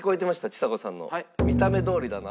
ちさ子さんの「見た目どおりだな」。